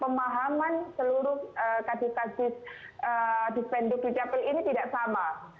pemahaman seluruh kdkd di penduk di jepil ini tidak sama